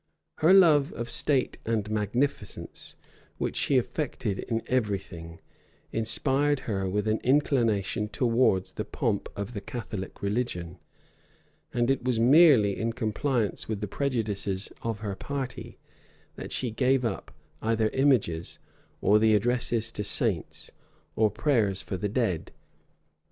Her love of state and magnificence, which she affected in every thing, inspired her with an inclination towards the pomp of the Catholic religion; and it was merely in compliance with the prejudices of her party, that she gave up either images, or the addresses to saints, or prayers for the dead.